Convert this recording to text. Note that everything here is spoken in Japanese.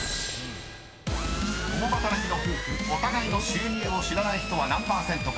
［共働きの夫婦お互いの収入を知らない人は何％か］